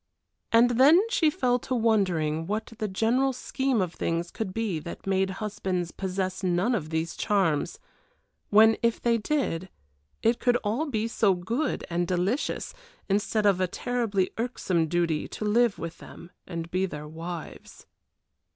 And then she fell to wondering what the general scheme of things could be that made husbands possess none of these charms; when, if they did, it could all be so good and so delicious, instead of a terribly irksome duty to live with them and be their wives.